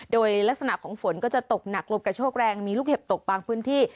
โดยลักษณะของฝนก็จะตกหนักลมกระโชกแรงมีลูกเห็บตกบางพื้นที่